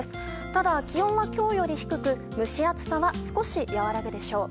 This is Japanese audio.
ただ気温は今日より低く蒸し暑さは少し和らぐでしょう。